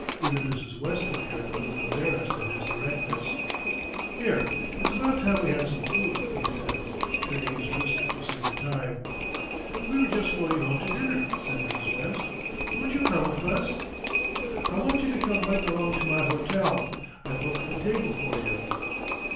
Even Mrs. West appeared a little embarrassed at his directness. "Here, it's about time we had some food," he said, turning his wrist to see the time. "We were just going home to dinner," said Mrs. West. "Won't you come with us?" "I want you to come right along to my hotel. I've booked a table for you."